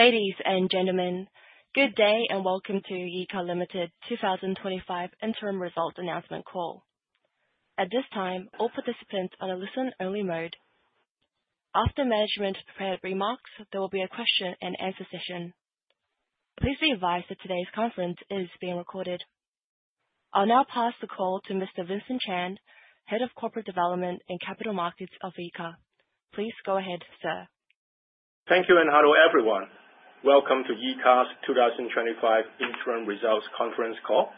Ladies and gentlemen, good day and welcome to Yeahka Ltd. 2025 Interim Results Announcement Call. At this time, all participants are in listen-only mode. After management's prepared remarks, there will be a question and answer session. Please be advised that today's conference is being recorded. I'll now pass the call to Mr. Vincent Chan, Head of Corporate Development and Capital Markets of Yeahka. Please go ahead, sir. Thank you and hello everyone. Welcome to Yeahka's 2025 Interim Results Conference Call.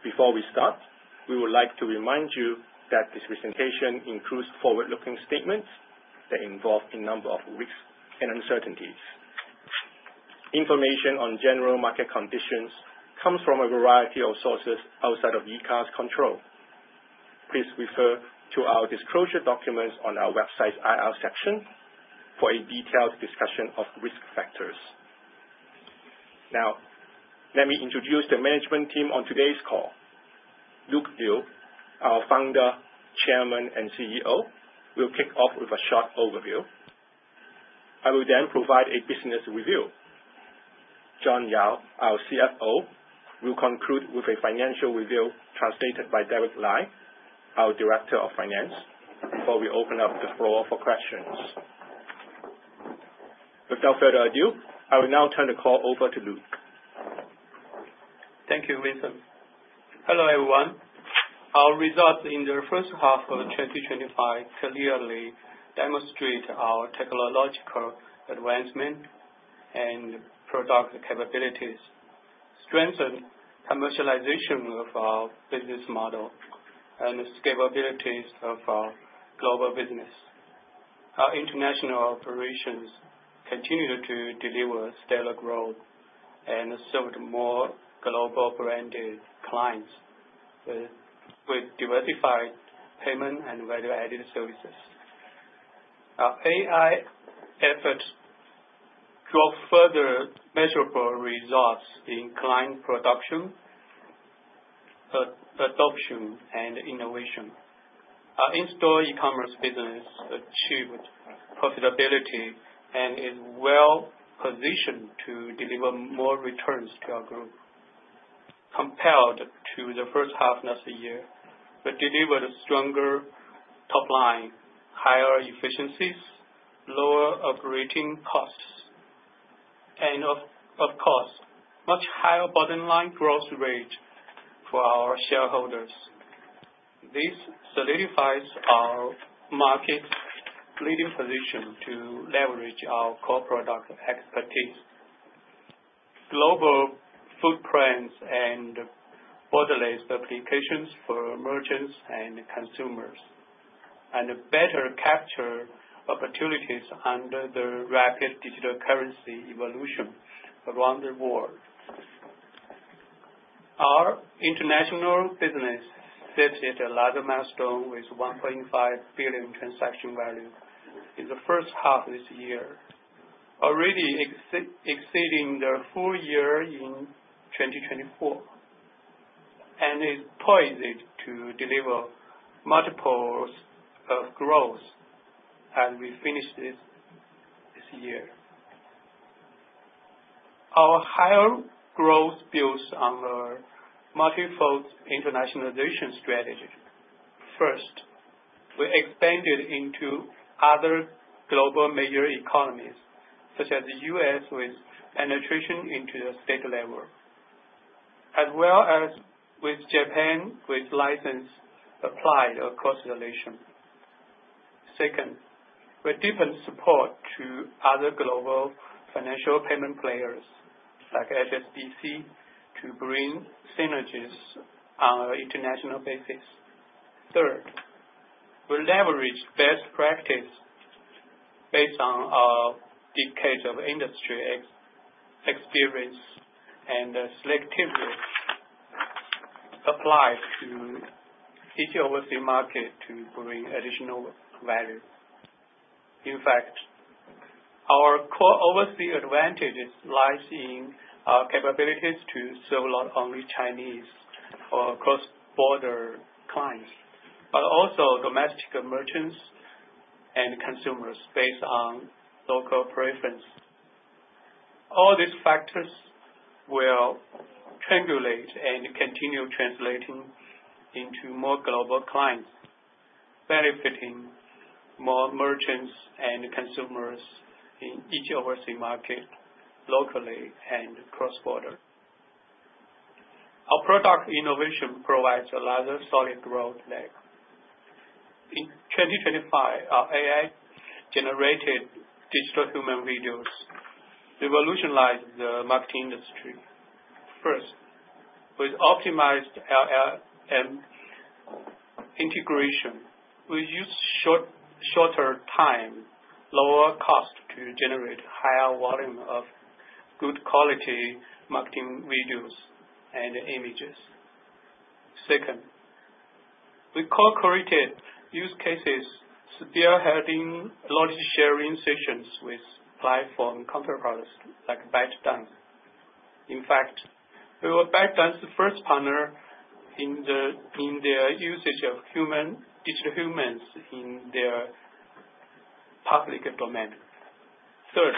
Before we start, we would like to remind you that this presentation includes forward-looking statements that involve a number of risks and uncertainties. Information on general market conditions comes from a variety of sources outside of Yeahka's control. Please refer to our disclosure documents on our website's IR section for a detailed discussion of risk factors. Now, let me introduce the management team on today's call. Luke Liu, our Founder, Chairman, and CEO, will kick off with a short overview. I will then provide a business review. John Yao, our CFO, will conclude with a financial review translated by Derek Lai, our Director of Finance, before we open up the floor for questions. Without further ado, I will now turn the call over to Luke. Thank you, Vincent. Hello everyone. Our results in the H1 of 2025 clearly demonstrate our technological advancement and product capabilities, strengthened commercialization of our business model, and scalability of our global business. Our international operations continue to deliver stellar growth and serve more global-branded clients with diversified payment and value-added services. Our AI efforts drove further measurable results in client production, adoption, and innovation. Our in-store e-commerce business achieved profitability and is well-positioned to deliver more returns to our group. Compared to the H1 of the year, we delivered stronger top line, higher efficiencies, lower operating costs, and, of course, much higher bottom-line growth rate for our shareholders. This solidifies our market-leading position to leverage our core product expertise, global footprints, and borderless applications for merchants and consumers, and better capture opportunities under the rapid digital currency evolution around the world. Our international business set a larger milestone with 1.5 billion transaction value in the H1 of this year, already exceeding the full year in 2024, and is poised to deliver multiples of growth as we finish this year. Our higher growth builds on our multi-fold internationalization strategy. First, we expanded into other global major economies, such as the U.S., with penetration into the state level, as well as with Japan with license applied across the nation. Second, we deepened support to other global financial payment players like HSBC to bring synergies on an international basis. Third, we leveraged best practice based on our decades of industry experience and selectivity applied to each overseas market to bring additional value. In fact, our core overseas advantages lie in our capabilities to serve not only Chinese or cross-border clients, but also domestic merchants and consumers based on local preference. All these factors will triangulate and continue translating into more global clients, benefiting more merchants and consumers in each overseas market locally and cross-border. Our product innovation provides a rather solid growth leg. In 2025, our AI-generated digital human videos revolutionized the marketing industry. First, with optimized LLM integration, we use shorter time, lower cost to generate higher volume of good quality marketing videos and images. Second, we co-created use cases, spearheading knowledge-sharing sessions with platform counterparts like ByteDance. In fact, we were ByteDance's first partner in the usage of digital humans in their public domain. Third,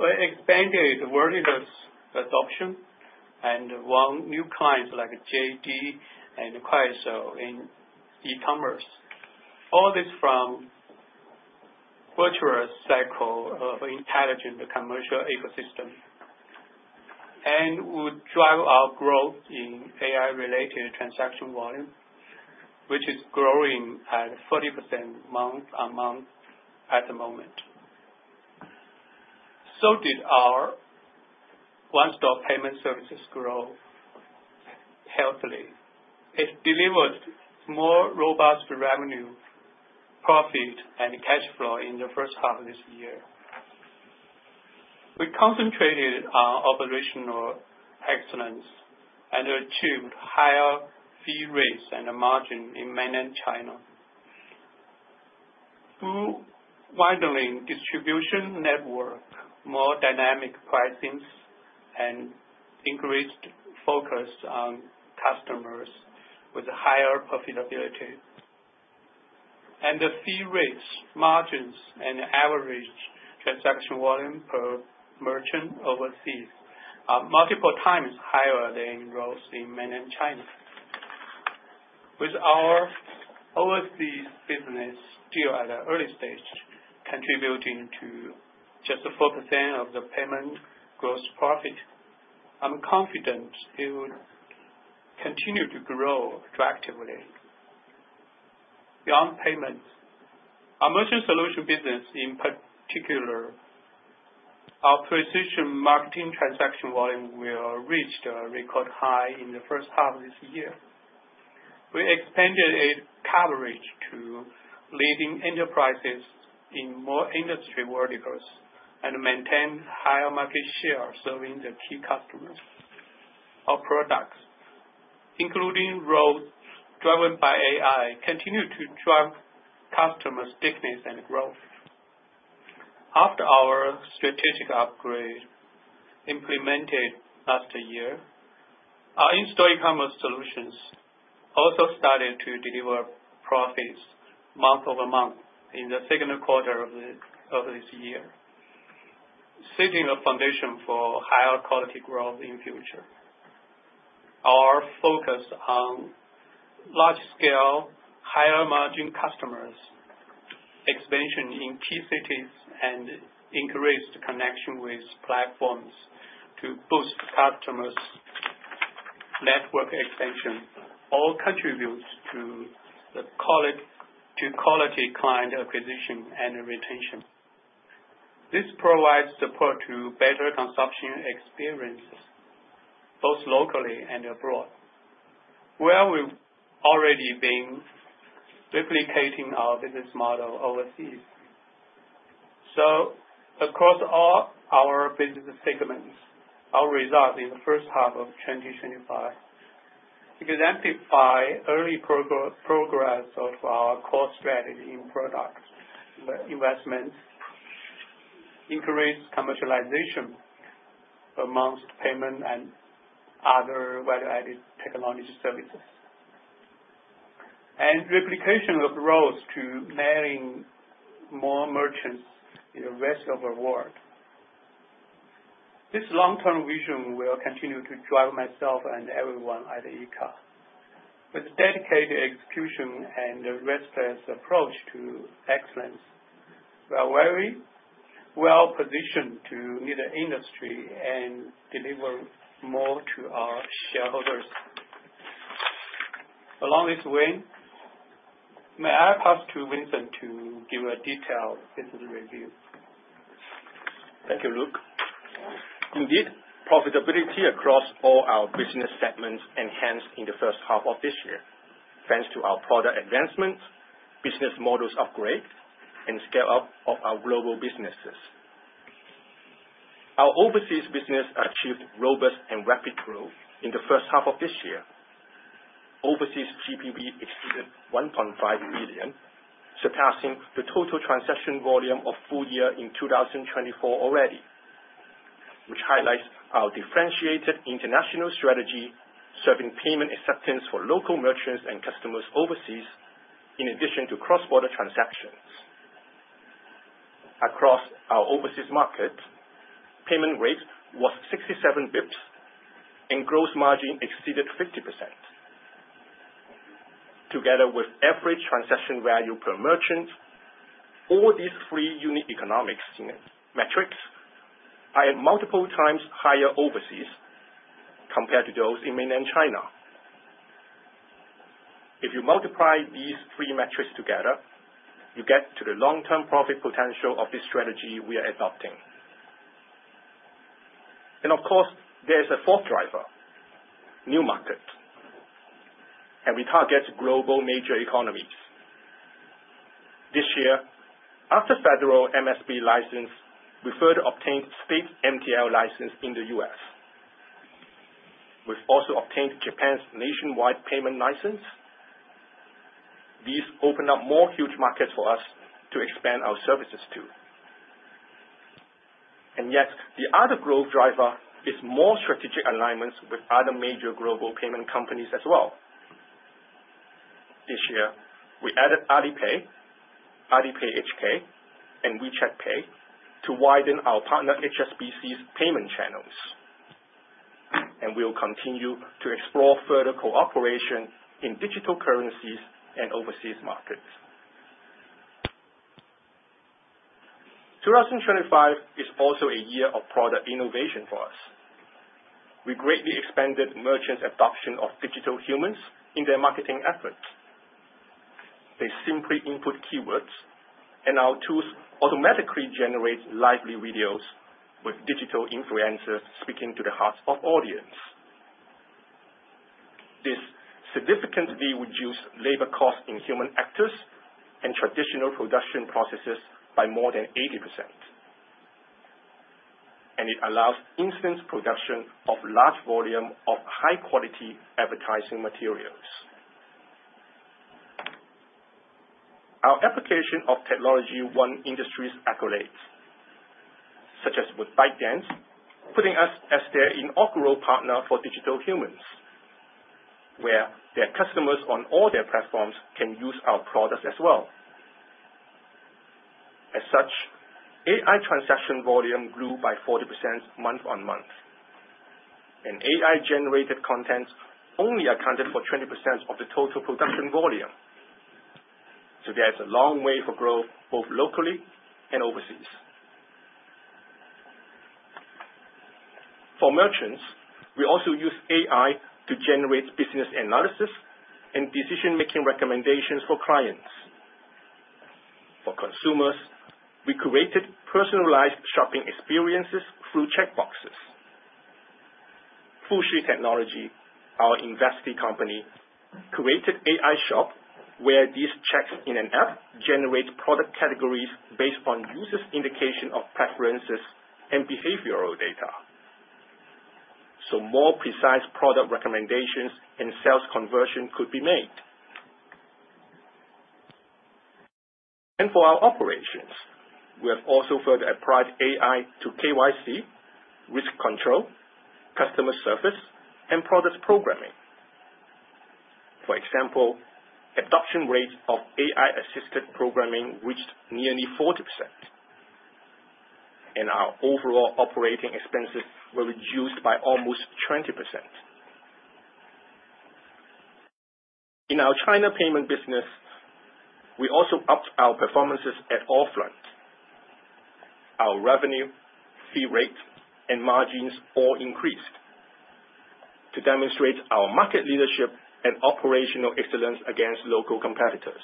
we expanded the world-industrial adoption and won new clients like JD and Kuaishou in e-commerce. All this from a virtuous cycle of intelligent commercial ecosystem and would drive our growth in AI-related transaction volume, which is growing at 40% month-on-month at the moment. So did our one-stop payment services grow healthily. It delivered more robust revenue, profit, and cash flow in the H1 of this year. We concentrated on operational excellence and achieved higher fee rates and margin in mainland China, widening distribution network, more dynamic pricing, and increased focus on customers with higher profitability, and the fee rates, margins, and average transaction volume per merchant overseas are multiple times higher than growth in mainland China. With our overseas business still at an early stage, contributing to just 4% of the payment gross profit, I'm confident it would continue to grow attractively. Beyond payments, our merchant solution business, in particular, our precision marketing transaction volume will reach the record high in the H1 of this year. We expanded a coverage to leading enterprises in more industry verticals and maintained higher market share serving the key customers. Our products, including tools driven by AI, continue to drive customer stickiness and growth. After our strategic upgrade implemented last year, our in-store e-commerce solutions also started to deliver profits month-over-month in the Q2 of this year, setting a foundation for higher quality growth in the future. Our focus on large-scale, higher-margin customers, expansion in key cities, and increased connection with platforms to boost customers' network extension all contribute to quality client acquisition and retention. This provides support to better consumption experiences both locally and abroad, where we've already been replicating our business model overseas. So, across all our business segments, our results in the H1 of 2025 exemplify early progress of our core strategy in product investment, increased commercialization among payment and other value-added technology services, and replication of tools to marrying more merchants in the rest of the world. This long-term vision will continue to drive myself and everyone at Yeahka. With dedicated execution and a restless approach to excellence, we are very well-positioned to lead the industry and deliver more to our shareholders. Along this way, may I pass to Vincent to give a detailed business review? Thank you, Luke. Indeed, profitability across all our business segments enhanced in the H1 of this year thanks to our product advancement, business models upgrade, and scale-up of our global businesses. Our overseas business achieved robust and rapid growth in the H1 of this year. Overseas GPV exceeded 1.5 billion, surpassing the total transaction volume of full year in 2024 already, which highlights our differentiated international strategy serving payment acceptance for local merchants and customers overseas, in addition to cross-border transactions. Across our overseas market, payment rate was 67 basis points, and gross margin exceeded 50%. Together with average transaction value per merchant, all these three unique economic metrics are at multiple times higher overseas compared to those in mainland China. If you multiply these three metrics together, you get to the long-term profit potential of this strategy we are adopting. Of course, there is a fourth driver: new markets. We target global major economies. This year, after federal MSB license, we further obtained state MTL license in the US. We've also obtained Japan's nationwide payment license. These open up more huge markets for us to expand our services to. Yet, the other growth driver is more strategic alignments with other major global payment companies as well. This year, we added Alipay, Alipay HK, and WeChat Pay to widen our partner HSBC's payment channels. We'll continue to explore further cooperation in digital currencies and overseas markets. 2025 is also a year of product innovation for us. We greatly expanded merchants' adoption of digital humans in their marketing efforts. They simply input keywords, and our tools automatically generate lively videos with digital influencers speaking to the hearts of audiences. This significantly reduced labor costs in human actors and traditional production processes by more than 80%. It allows instant production of large volume of high-quality advertising materials. Our application of technology won industry's accolades, such as with ByteDance, putting us as their inaugural partner for digital humans, where their customers on all their platforms can use our products as well. As such, AI transaction volume grew by 40% month-on-month. AI-generated content only accounted for 20% of the total production volume. There is a long way for growth both locally and overseas. For merchants, we also use AI to generate business analysis and decision-making recommendations for clients. For consumers, we created personalized shopping experiences through checkboxes. Fuzhi Technology, our investee company, created AI Shop, where these checks in an app generate product categories based on users' indication of preferences and behavioral data. So more precise product recommendations and sales conversion could be made. And for our operations, we have also further applied AI to KYC, risk control, customer service, and product programming. For example, adoption rates of AI-assisted programming reached nearly 40%. And our overall operating expenses were reduced by almost 20%. In our China payment business, we also upped our performances at all fronts. Our revenue, fee rate, and margins all increased to demonstrate our market leadership and operational excellence against local competitors.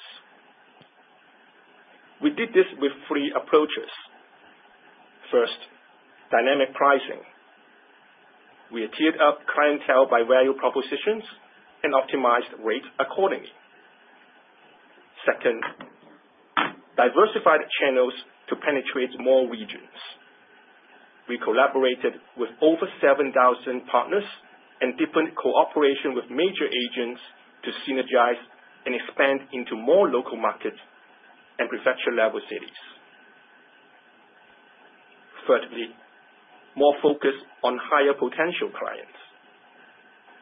We did this with three approaches. First, dynamic pricing. We tiered up clientele by value propositions and optimized rates accordingly. Second, diversified channels to penetrate more regions. We collaborated with over 7,000 partners and deepened cooperation with major agents to synergize and expand into more local markets and prefecture-level cities. Thirdly, more focus on higher potential clients.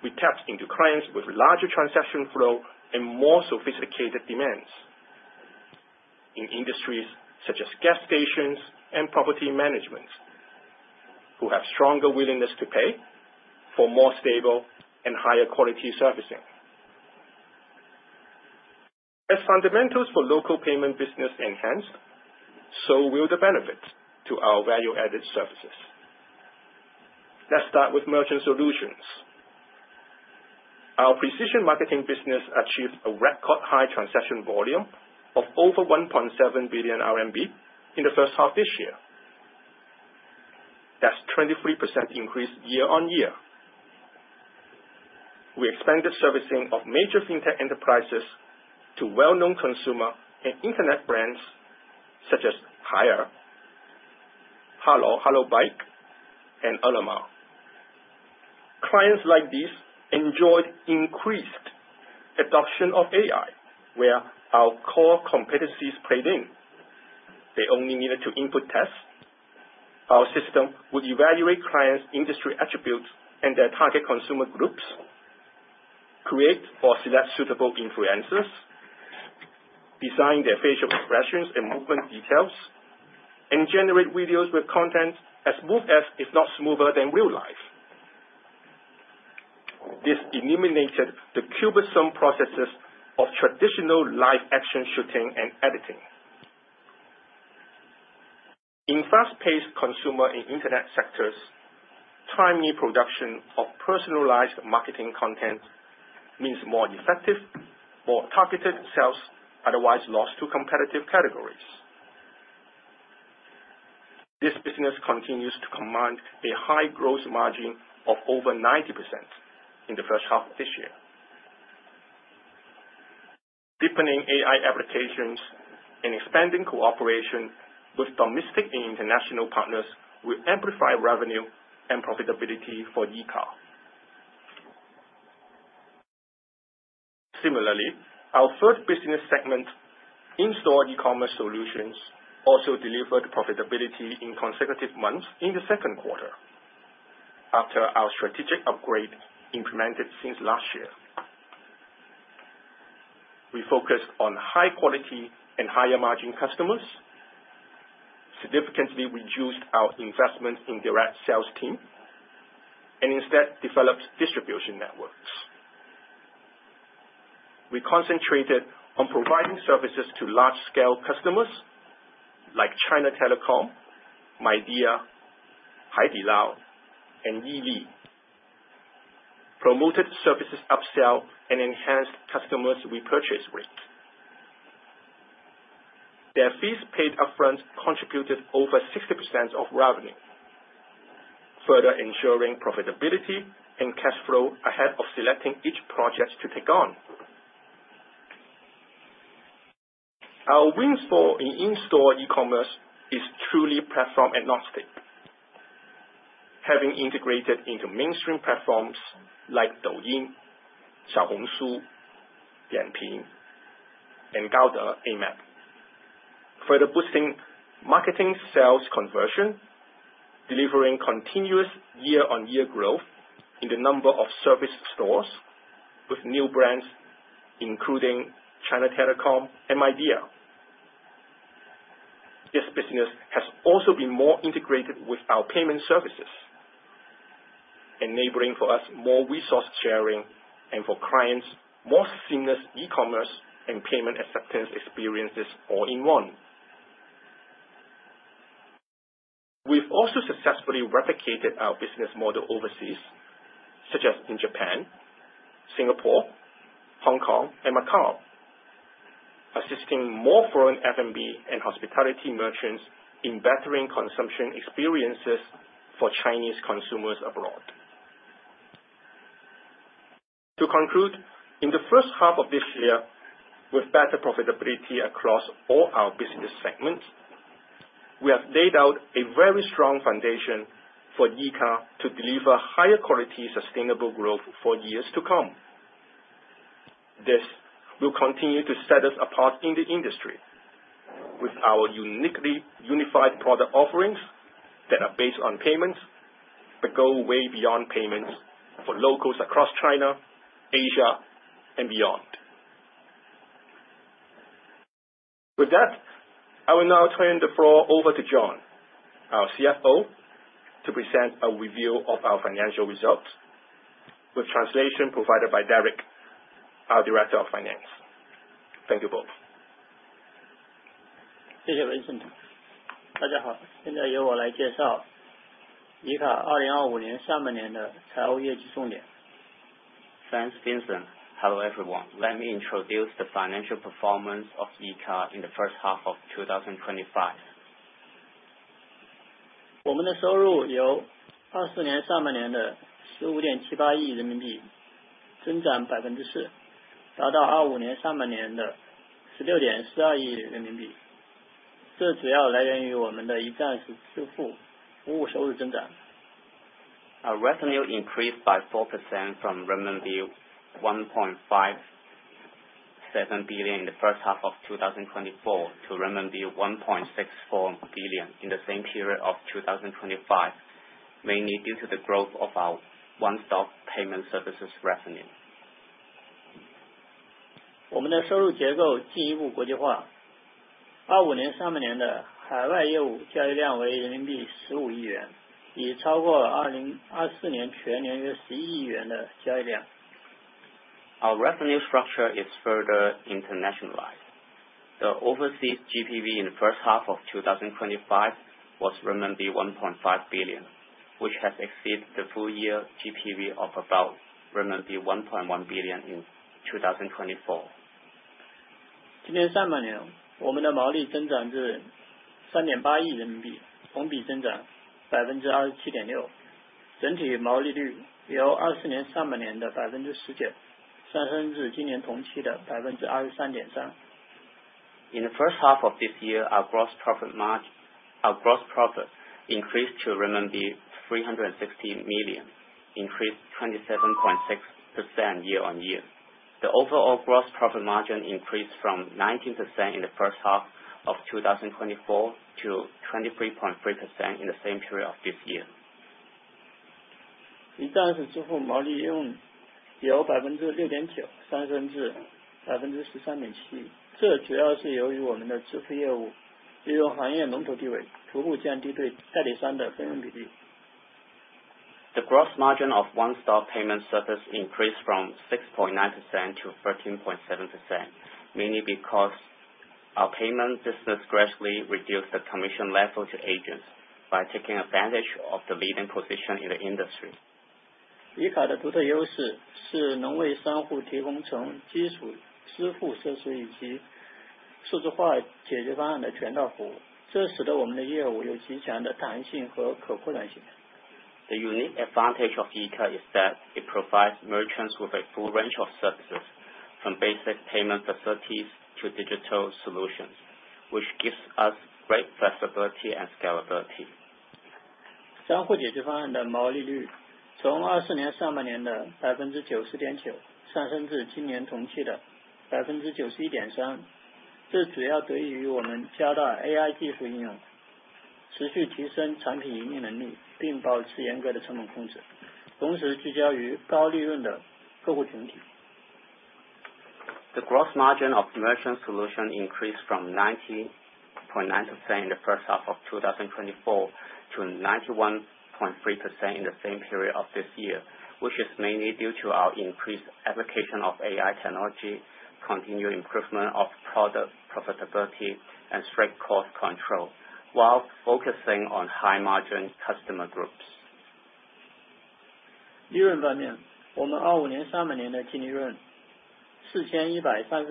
We tapped into clients with larger transaction flow and more sophisticated demands in industries such as gas stations and property management, who have stronger willingness to pay for more stable and higher-quality servicing. As fundamentals for local payment business enhanced, so will the benefits to our value-added services. Let's start with merchant solutions. Our precision marketing business achieved a record high transaction volume of over 1.7 billion RMB in the H1 of this year. That's a 23% increase year-on-year. We expanded servicing of major fintech enterprises to well-known consumer and internet brands such as Haier, Hello, Hello Bike, and Ele.me. Clients like these enjoyed increased adoption of AI, where our core competencies played in. They only needed to input tests. Our system would evaluate clients' industry attributes and their target consumer groups, create or select suitable influencers, design their facial expressions and movement details, and generate videos with content as smooth as, if not smoother than real life. This eliminated the cumbersome processes of traditional live-action shooting and editing. In fast-paced consumer and internet sectors, timely production of personalized marketing content means more effective, more targeted sales otherwise lost to competitive categories. This business continues to command a high gross margin of over 90% in the H1 of this year. Deepening AI applications and expanding cooperation with domestic and international partners will amplify revenue and profitability for Yeahka. Similarly, our third business segment, in-store e-commerce solutions, also delivered profitability in consecutive months in the Q2 after our strategic upgrade implemented since last year. We focused on high-quality and higher-margin customers, significantly reduced our investment in direct sales team, and instead developed distribution networks. We concentrated on providing services to large-scale customers like China Telecom, Midea, Haidilao, and Yili, promoted services upsell and enhanced customers' repurchase rates. Their fees paid upfront contributed over 60% of revenue, further ensuring profitability and cash flow ahead of selecting each project to take on. Our windfall in in-store e-commerce is truly platform agnostic, having integrated into mainstream platforms like Douyin, Xiaohongshu, Dianping, and Gaode Map, further boosting marketing sales conversion, delivering continuous year-on-year growth in the number of service stores with new brands, including China Telecom and Midea. This business has also been more integrated with our payment services, enabling for us more resource sharing and for clients' more seamless e-commerce and payment acceptance experiences all in one. We've also successfully replicated our business model overseas, such as in Japan, Singapore, Hong Kong, and Macau, assisting more foreign F&B and hospitality merchants in bettering consumption experiences for Chinese consumers abroad. To conclude, in the H1 of this year, with better profitability across all our business segments, we have laid out a very strong foundation for Yeahka to deliver higher-quality sustainable growth for years to come. This will continue to set us apart in the industry with our uniquely unified product offerings that are based on payments but go way beyond payments for locals across China, Asia, and beyond. With that, I will now turn the floor over to John, our CFO, to present a review of our financial results with translation provided by Derek, our Director of Finance. Thank you both. 谢谢 Vincent。大家好，现在由我来介绍 Yeahka 2025 年上半年的财务业绩重点。Thanks, Vincent. Hello everyone. Let me introduce the financial performance of Yeahka in the H1 of 2025. 我们的收入由 24 年上半年的 15.78 亿人民币增长 4%，达到 25 年上半年的 16.42 亿人民币。这主要来源于我们的一站式支付服务收入增长。Our revenue increased by 4% from 1.57 billion in the H1 of 2024 to 1.64 billion in the same period of 2025, mainly due to the growth of our one-stop payment services revenue. 我们的收入结构进一步国际化。25 年上半年的海外业务交易量为人民币 15 亿元，以超过 2024 年全年约 11 亿元的交易量。Our revenue structure is further internationalized. The overseas GPV in the H1 of 2025 was renminbi 1.5 billion, which has exceeded the full-year GPV of about renminbi 1.1 billion in 2024. 今年上半年，我们的毛利增长至 3.8 亿人民币，同比增长 27.6%。整体毛利率由 24 年上半年的 19% 上升至今年同期的 23.3%。In the H1 of this year, our gross profit increased to RMB 380 million, increased 27.6% year-on-year. The overall gross profit margin increased from 19% in the H1 of 2024 to 23.3% in the same period of this year. 一站式支付毛利率由 6.9% 上升至 13.7%。这主要是由于我们的支付业务利用行业龙头地位，逐步降低对代理商的分润比例。The gross margin of one-stop payment service increased from 6.9% to 13.7%, mainly because our payment business gradually reduced the commission level to agents by taking advantage of the leading position in the industry. Yeahka 的独特优势是能为商户提供从基础支付设施以及数字化解决方案的全套服务。这使得我们的业务有极强的弹性和可扩展性。The unique advantage of Yeahka is that it provides merchants with a full range of services, from basic payment facilities to digital solutions, which gives us great flexibility and scalability. 商户解决方案的毛利率从 2024 年上半年的 90.9% 上升至今年同期的 91.3%。这主要得益于我们加大 AI 技术应用，持续提升产品盈利能力，并保持严格的成本控制，同时聚焦于高利润的客户群体。The gross margin of merchant solutions increased from 90.9% in the H1 of 2024 to 91.3% in the same period of this year, which is mainly due to our increased application of AI technology, continued improvement of product profitability, and strict cost control, while focusing on high-margin customer groups. 第二半年，我们 2025 年上半年的净利润 4,137 万人民币，比 2024 年同期 3,258 万人民币增长 27%。经调整 EBITDA，从 2024 年上半年的 1.63 亿上升 6.2%，达到 2025 年同期的 1.73 亿。In terms of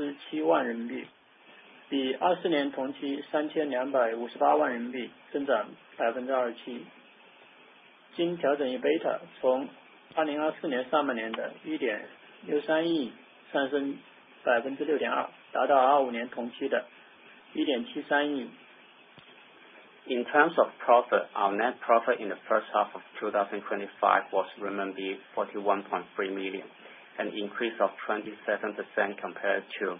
profit, our net profit in the H1 of 2025 was RMB 41.3 million, an increase of 27% compared to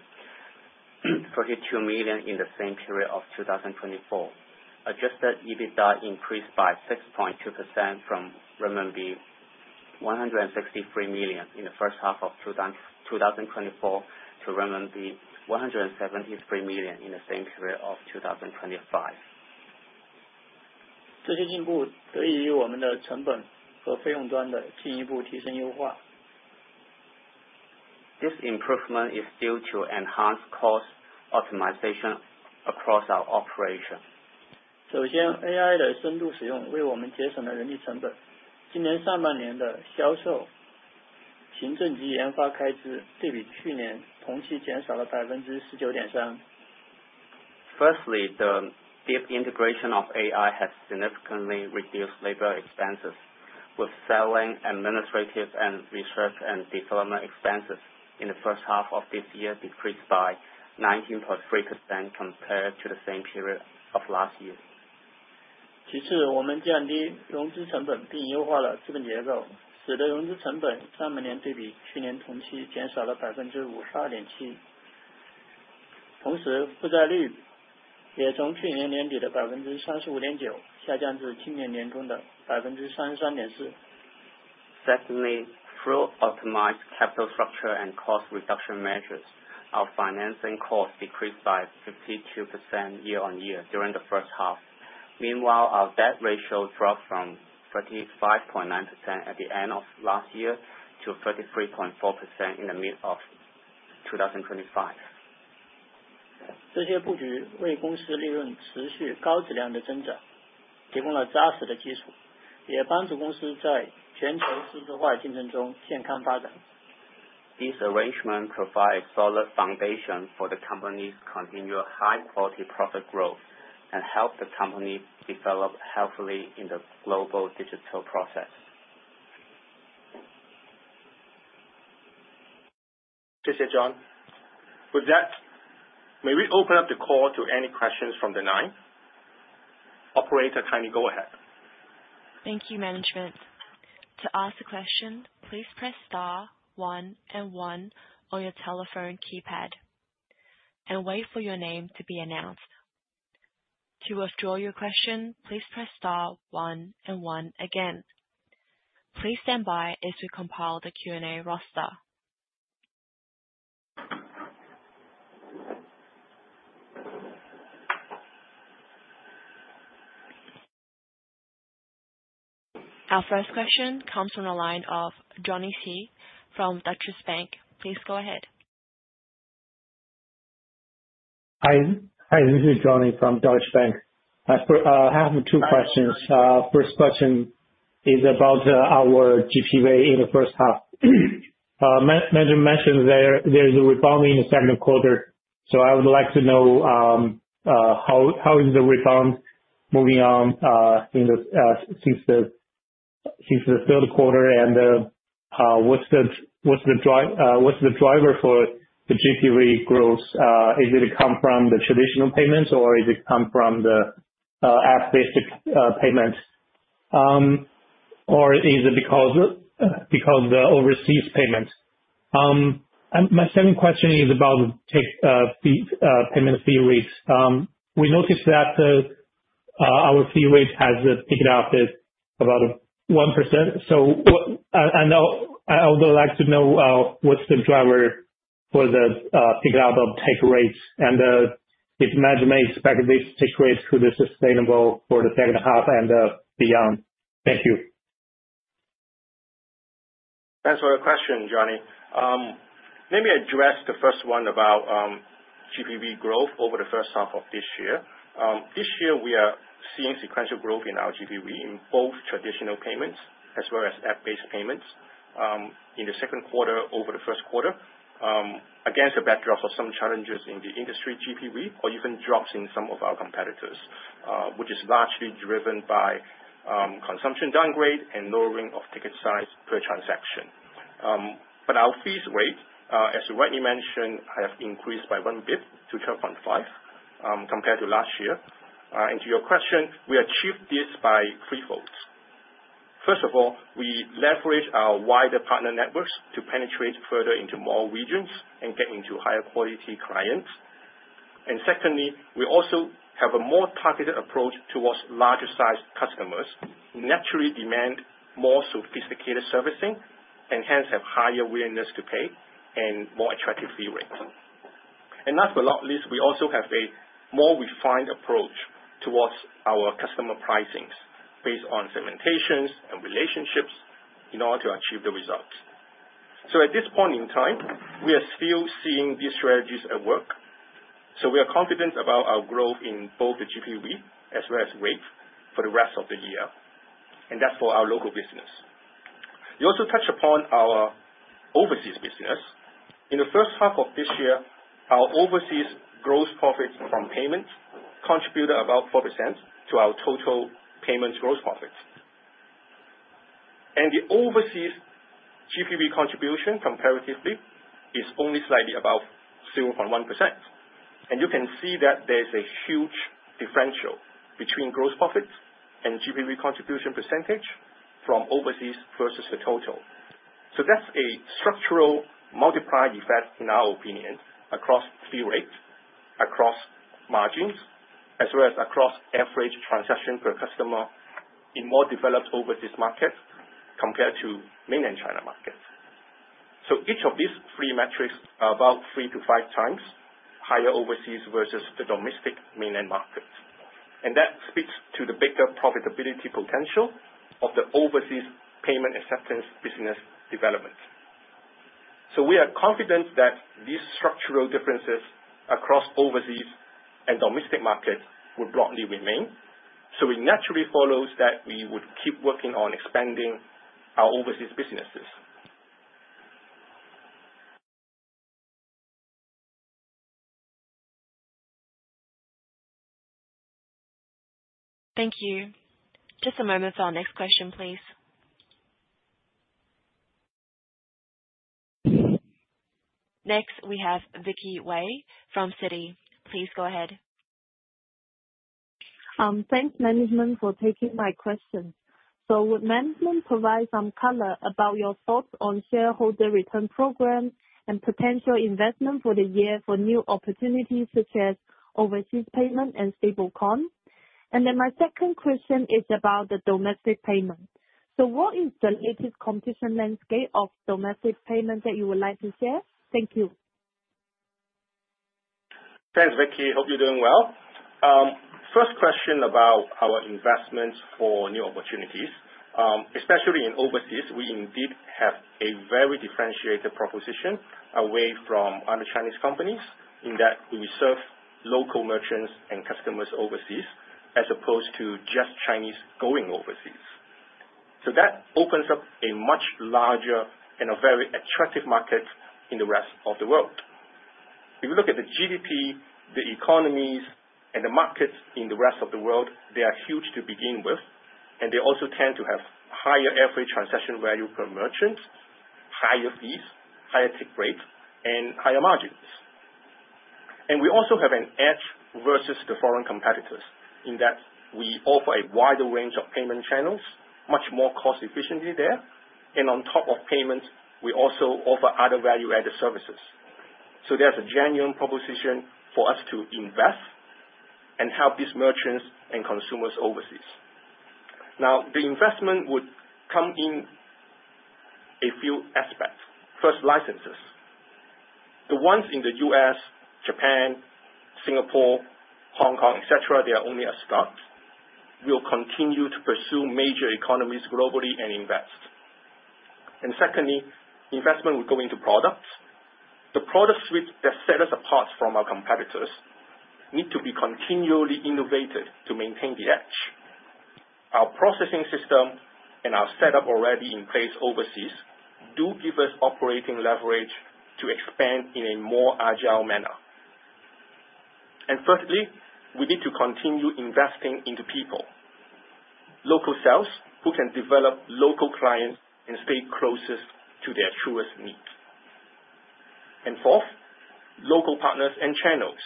32.6 million in the same period of 2024. Adjusted EBITDA increased by 6.2% from RMB 163 million in the H1 of 2024 to RMB 173 million in the same period of 2025. 这些进步得益于我们的成本和费用端的进一步提升优化。This improvement is due to enhanced cost optimization across our operation. 首先，AI 的深度使用为我们节省了人力成本。今年上半年的销售、行政及研发开支对比去年同期减少了 19.3%。Firstly, the deep integration of AI has significantly reduced labor expenses, with selling, administrative, and research and development expenses in the H1 of this year decreased by 19.3% compared to the same period of last year. 其次，我们降低融资成本并优化了资本结构，使得融资成本上半年对比去年同期减少了 52.7%。同时，负债率也从去年年底的 35.9% 下降至今年年终的 33.4%。Secondly, through optimized capital structure and cost reduction measures, our financing cost decreased by 52.7% year-on-year during the H1. Meanwhile, our debt ratio dropped from 35.9% at the end of last year to 33.4% at the end of the H1 of this year. 这些布局为公司利润持续高质量的增长提供了扎实的基础，也帮助公司在全球数字化竞争中健康发展。These arrangements provide a solid foundation for the company's continued high-quality profit growth and help the company develop healthily in the global digital competition. 谢谢 John。With that, may we open up the call to any questions from the line? Operator, kindly go ahead. Thank you, management. To ask a question, please press star one and one on your telephone keypad and wait for your name to be announced. To withdraw your question, please press star one and one again. Please stand by as we compile the Q&A roster. Our first question comes from the line of Johnny Xie from Deutsche Bank. Please go ahead. Hi, this is Johnny from Deutsche Bank. I have two questions. First question is about our GPV in the H1. Manager mentioned there is a rebound in the Q2, so I would like to know how is the rebound moving on since the Q3 and what's the driver for the GPV growth? Is it come from the traditional payments or is it come from the app-based payments? Or is it because of the overseas payments? My second question is about the payment fee rates. We noticed that our fee rate has picked up about 1%. So I would like to know what's the driver for the pickup of take rates and if management expect this take rate to be sustainable for the H2 and beyond. Thank you. Thanks for the question, Johnny. Let me address the first one about GPV growth over the H1 of this year. This year, we are seeing sequential growth in our GPV in both traditional payments as well as app-based payments in the Q2 over the Q1 against the backdrop of some challenges in the industry GPV or even drops in some of our competitors, which is largely driven by consumption downgrade and lowering of ticket size per transaction. But our fee rate, as you rightly mentioned, has increased by one basis point to 12.5 basis points compared to last year. To your question, we achieved this by three folds. First of all, we leverage our wider partner networks to penetrate further into more regions and get into higher quality clients. Secondly, we also have a more targeted approach towards larger size customers who naturally demand more sophisticated servicing and hence have higher willingness to pay and more attractive fee rates. Last but not least, we also have a more refined approach towards our customer pricings based on segmentations and relationships in order to achieve the results. At this point in time, we are still seeing these strategies at work. We are confident about our growth in both the GPV as well as rate for the rest of the year. That is for our local business. You also touched upon our overseas business. In the H1 of this year, our overseas gross profits from payments contributed about 4% to our total payments gross profits. And the overseas GPV contribution comparatively is only slightly above 0.1%. And you can see that there's a huge differential between gross profits and GPV contribution percentage from overseas versus the total. So that's a structural multiplier effect in our opinion across fee rates, across margins, as well as across average transaction per customer in more developed overseas markets compared to Mainland China markets. So each of these three metrics are about three to five times higher overseas versus the domestic Mainland China markets. And that speaks to the bigger profitability potential of the overseas payment acceptance business development. So we are confident that these structural differences across overseas and domestic markets will broadly remain. So it naturally follows that we would keep working on expanding our overseas businesses. Thank you. Just a moment for our next question, please. Next, we have Vicky Wei from Citi. Please go ahead. Thanks, management, for taking my question. So would management provide some color about your thoughts on shareholder return programs and potential investment for the year for new opportunities such as overseas payment and stablecoin? And then my second question is about the domestic payment. So what is the latest competition landscape of domestic payment that you would like to share? Thank you. Thanks, Vicki. Hope you're doing well. First question about our investments for new opportunities. Especially in overseas, we indeed have a very differentiated proposition away from other Chinese companies in that we serve local merchants and customers overseas as opposed to just Chinese going overseas. So that opens up a much larger and a very attractive market in the rest of the world. If you look at the GDP, the economies, and the markets in the rest of the world, they are huge to begin with, and they also tend to have higher average transaction value per merchant, higher fees, higher take rates, and higher margins. And we also have an edge versus the foreign competitors in that we offer a wider range of payment channels, much more cost-efficiently there. And on top of payments, we also offer other value-added services. So there's a genuine proposition for us to invest and help these merchants and consumers overseas. Now, the investment would come in a few aspects. First, licenses. The ones in the U.S., Japan, Singapore, Hong Kong, etc., they are only a start. We'll continue to pursue major economies globally and invest. And secondly, investment will go into products. The product suite that sets us apart from our competitors needs to be continually innovated to maintain the edge. Our processing system and our setup already in place overseas do give us operating leverage to expand in a more agile manner. Thirdly, we need to continue investing into people, local sales who can develop local clients and stay closest to their truest needs. Fourth, local partners and channels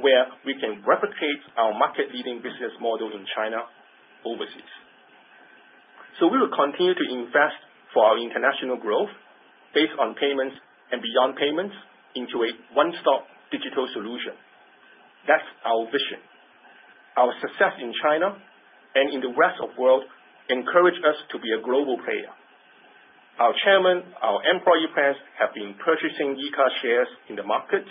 where we can replicate our market-leading business model in China overseas. We will continue to invest for our international growth based on payments and beyond payments into a one-stop digital solution. That's our vision. Our success in China and in the rest of the world encourages us to be a global player. Our chairman, our employee plans have been purchasing Yeahka shares in the market.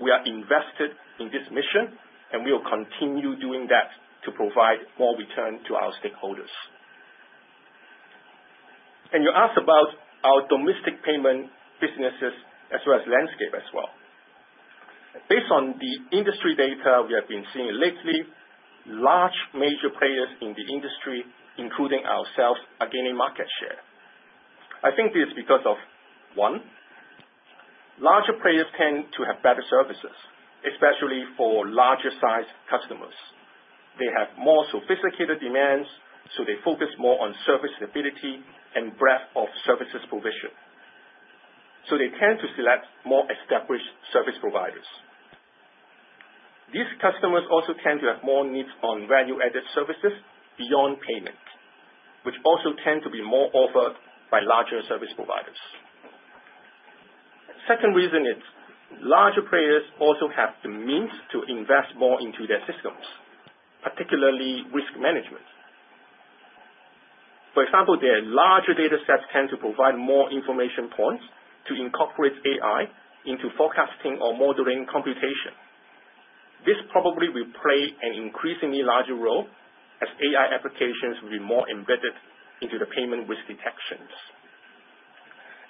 We are invested in this mission, and we will continue doing that to provide more return to our stakeholders, and you asked about our domestic payment businesses as well as landscape as well. Based on the industry data we have been seeing lately, large major players in the industry, including ourselves, are gaining market share. I think this is because of one. Larger players tend to have better services, especially for larger-sized customers. They have more sophisticated demands, so they focus more on service stability and breadth of services provision. So they tend to select more established service providers. These customers also tend to have more needs on value-added services beyond payment, which also tend to be more offered by larger service providers. Second reason is larger players also have the means to invest more into their systems, particularly risk management. For example, their larger data sets tend to provide more information points to incorporate AI into forecasting or modeling computation. This probably will play an increasingly larger role as AI applications will be more embedded into the payment risk detections,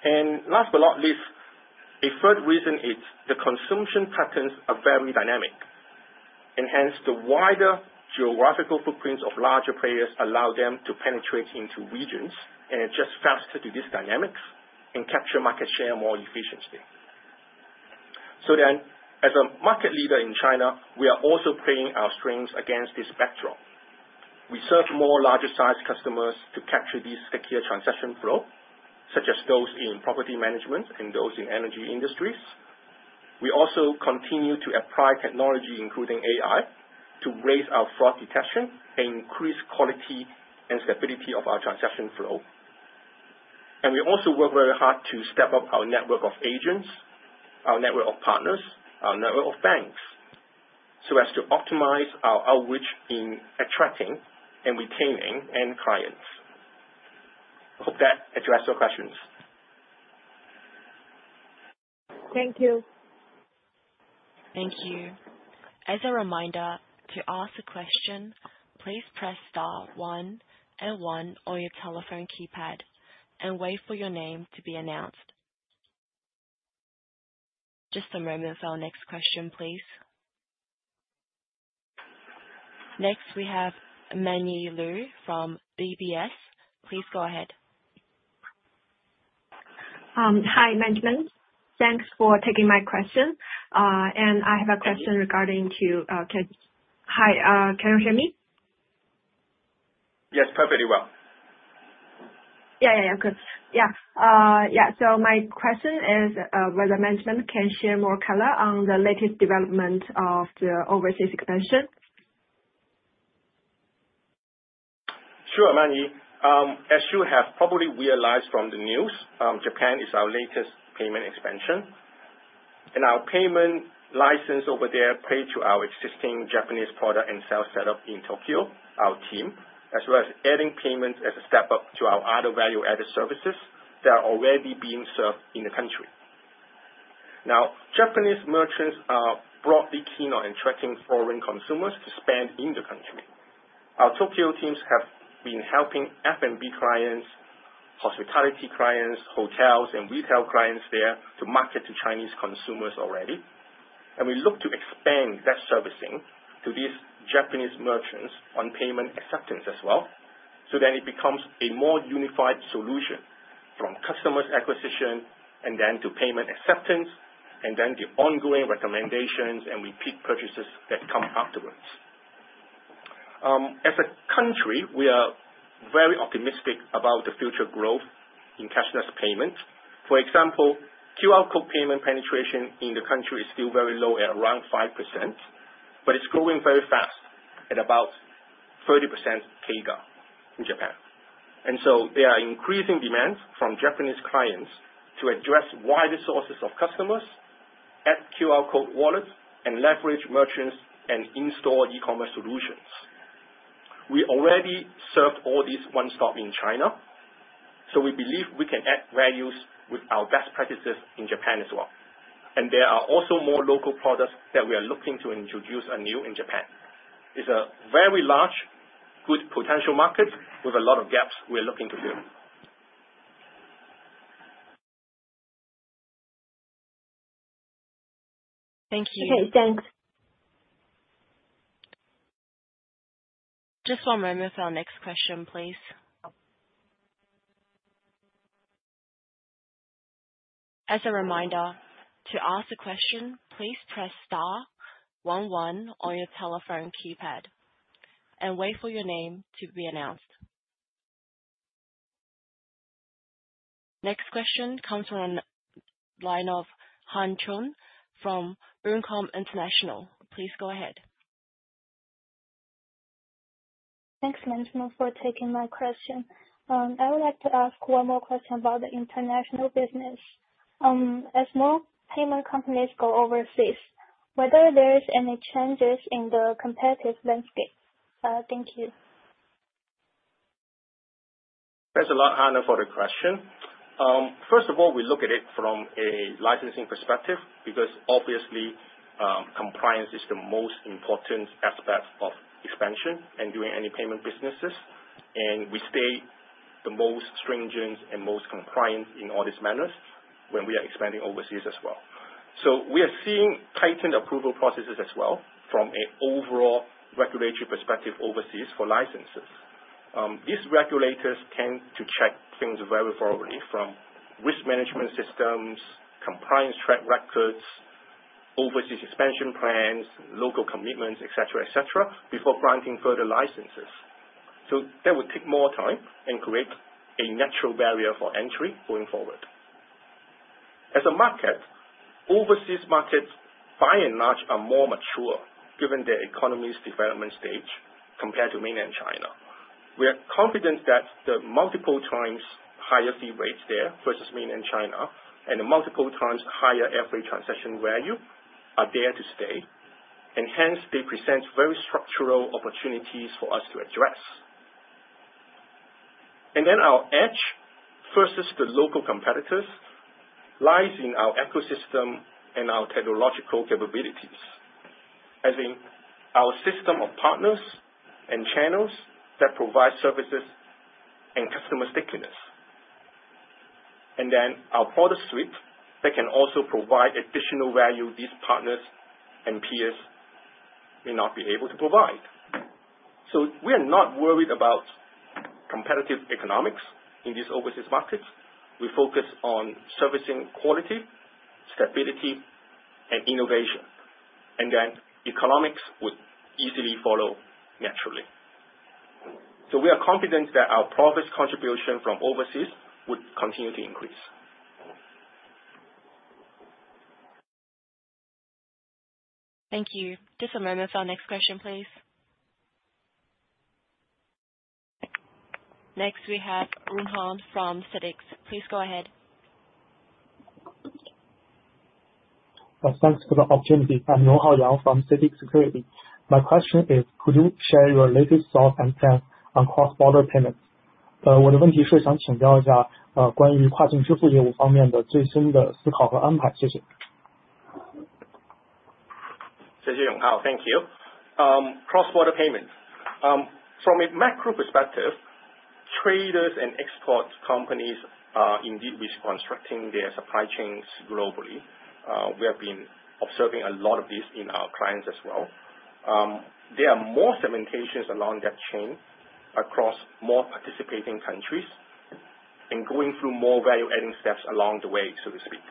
and last but not least, a third reason is the consumption patterns are very dynamic, and hence, the wider geographical footprints of larger players allow them to penetrate into regions and adjust faster to these dynamics and capture market share more efficiently, so then, as a market leader in China, we are also playing our strengths against this backdrop. We serve more larger-sized customers to capture these secure transaction flows, such as those in property management and those in energy industries. We also continue to apply technology, including AI, to raise our fraud detection and increase quality and stability of our transaction flow. And we also work very hard to step up our network of agents, our network of partners, our network of banks, so as to optimize our outreach in attracting and retaining end clients. I hope that addressed your questions. Thank you. Thank you. As a reminder, to ask a question, please press star one and one on your telephone keypad and wait for your name to be announced. Just a moment for our next question, please. Next, we have Meianny Leung from DBS. Please go ahead. Hi, management. Thanks for taking my question. And I have a question regarding to hi, can you hear me? Yes, perfectly well. Yeah, yeah, yeah, good. Yeah. Yeah. So my question is whether management can share more color on the latest development of the overseas expansion. Sure, Manny. As you have probably realized from the news, Japan is our latest payment expansion. And our payment license over there plays to our existing Japanese product and sales setup in Tokyo, our team, as well as adding payments as a step up to our other value-added services that are already being served in the country. Now, Japanese merchants are broadly keen on attracting foreign consumers to spend in the country. Our Tokyo teams have been helping F&B clients, hospitality clients, hotels, and retail clients there to market to Chinese consumers already. And we look to expand that servicing to these Japanese merchants on payment acceptance as well. So then it becomes a more unified solution from customers' acquisition and then to payment acceptance and then the ongoing recommendations and repeat purchases that come afterwards. As a country, we are very optimistic about the future growth in cashless payments. For example, QR code payment penetration in the country is still very low at around 5%, but it's growing very fast at about 30% CAGR in Japan. And so there are increasing demands from Japanese clients to address wider sources of customers, add QR code wallets, and leverage merchants and in-store e-commerce solutions. We already served all these one-stop in China, so we believe we can add values with our best practices in Japan as well. And there are also more local products that we are looking to introduce anew in Japan. It's a very large, good potential market with a lot of gaps we're looking to fill. Thank you. Okay, thanks. Just one moment for our next question, please. As a reminder, to ask a question, please press star one one on your telephone keypad and wait for your name to be announced. Next question comes from Yonghao from CITIC Securities. Please go ahead. Thanks, management, for taking my question. I would like to ask one more question about the international business. As more payment companies go overseas, whether there are any changes in the competitive landscape? Thank you. Thanks a lot, Lunhan, for the question. First of all, we look at it from a licensing perspective because obviously, compliance is the most important aspect of expansion and doing any payment businesses. And we stay the most stringent and most compliant in all these matters when we are expanding overseas as well. So we are seeing tightened approval processes as well from an overall regulatory perspective overseas for licenses. These regulators tend to check things very thoroughly from risk management systems, compliance track records, overseas expansion plans, local commitments, etc., etc., before granting further licenses. So that would take more time and create a natural barrier for entry going forward. As a market, overseas markets, by and large, are more mature given their economies' development stage compared to Mainland China. We are confident that the multiple times higher fee rates there versus Mainland China and the multiple times higher average transaction value are there to stay. And hence, they present very structural opportunities for us to address. And then our edge versus the local competitors lies in our ecosystem and our technological capabilities, as in our system of partners and channels that provide services and customer stickiness. And then our broader suite that can also provide additional value these partners and peers may not be able to provide. So we are not worried about competitive economics in these overseas markets. We focus on servicing quality, stability, and innovation. And then economics would easily follow naturally. So we are confident that our progress contribution from overseas would continue to increase. Thank you. Just a moment for our next question, please. Next, we have Linhan from CITIC Securities. Please go ahead. Thanks for the opportunity. I'm Lunhan from CITIC Securities. My question is, could you share your latest thoughts and plans on cross-border payments? 我的问题是想请教一下关于跨境支付业务方面的最新的思考和安排，谢谢。谢谢 Yonghao, thank you. Cross-border payments. From a macro perspective, traders and export companies indeed wish constructing their supply chains globally. We have been observing a lot of this in our clients as well. There are more segmentations along that chain across more participating countries and going through more value-adding steps along the way, so to speak.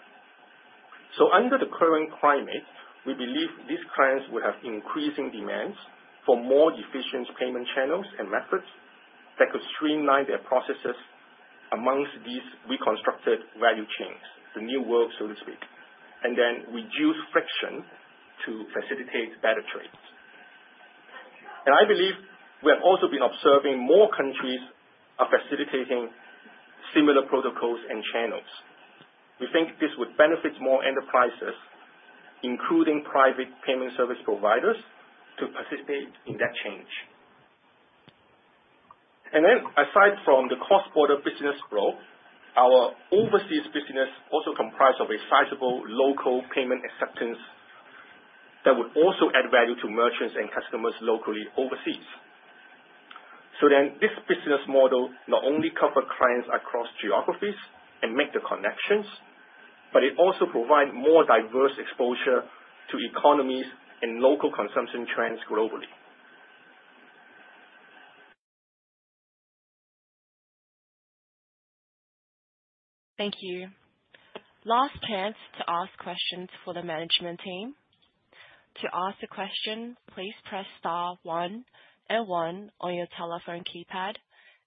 So under the current climate, we believe these clients will have increasing demands for more efficient payment channels and methods that could streamline their processes amongst these reconstructed value chains, the new world, so to speak, and then reduce friction to facilitate better trades. And I believe we have also been observing more countries facilitating similar protocols and channels. We think this would benefit more enterprises, including private payment service providers, to participate in that change. And then aside from the cross-border business growth, our overseas business also comprises a sizable local payment acceptance that would also add value to merchants and customers locally overseas. So then this business model not only covers clients across geographies and makes the connections, but it also provides more diverse exposure to economies and local consumption trends globally. Thank you. Last chance to ask questions for the management team. To ask a question, please press star one and one on your telephone keypad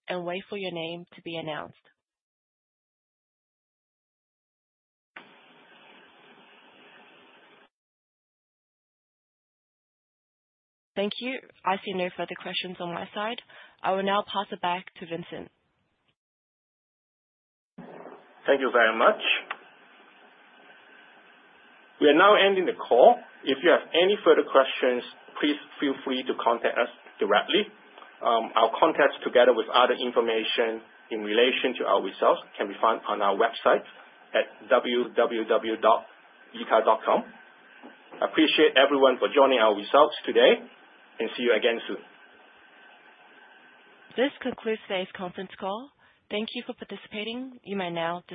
and wait for your name to be announced. Thank you. I see no further questions on my side. I will now pass it back to Vincent. Thank you very much. We are now ending the call. If you have any further questions, please feel free to contact us directly. Our contact together with other information in relation to our results can be found on our website at www.yeahka.com. I appreciate everyone for joining our results today, and see you again soon. This concludes today's conference call. Thank you for participating. You may now.